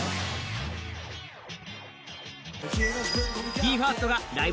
ＢＥ：ＦＩＲＳＴが「ライブ！